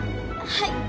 はい。